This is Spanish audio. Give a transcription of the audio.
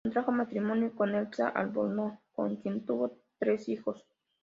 Contrajo matrimonio con Elsa Albornoz, con quien tuvo tres hijos.